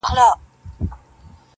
په مخه دي د اور ګلونه.